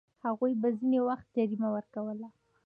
هغوی به ځینې وخت جریمه ورکوله.